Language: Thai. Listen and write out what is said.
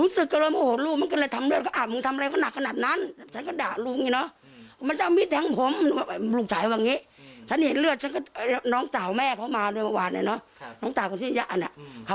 ถ้าตำรวจจะเรียกตัวเขาก็ยินดีจะให้ความร่วมมือกับตำรวจเขาบอกแบบนี้นะคะ